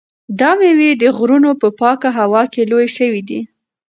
دا مېوې د غرونو په پاکه هوا کې لویې شوي دي.